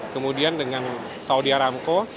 kemudian dengan saudi aramco